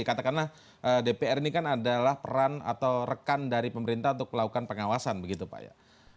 katakanlah dpr ini kan adalah peran atau rekan dari pemerintah untuk melakukan pengawasan begitu pak ya